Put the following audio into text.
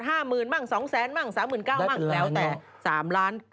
๕๐๐๐๐บ้าง๒๐๐๐๐๐บ้าง๓๙๐๐๐บ้างแล้วแต่๓ล้าน